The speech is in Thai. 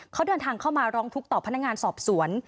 เขาเดินทางเข้ามาร้องทุกข์ต่อพนักงานสอบสวน